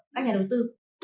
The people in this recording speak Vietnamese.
các nhà đầu tư